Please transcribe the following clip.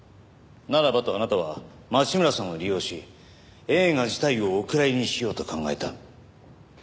ならばとあなたは町村さんを利用し映画自体をお蔵入りにしようと考えた。